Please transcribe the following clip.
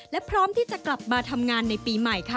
และพร้อมที่จะกลับมาทำงานในปีใหม่ค่ะ